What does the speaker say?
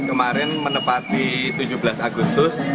kemarin menepati tujuh belas agustus